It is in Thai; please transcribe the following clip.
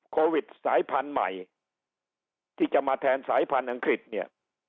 โควิดสายพันธุ์ใหม่ที่จะมาแทนสายพันธุ์อังกฤษเนี่ย